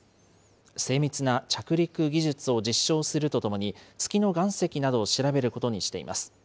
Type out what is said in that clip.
精密な着陸技術を実証するとともに、月の岩石などを調べることにしています。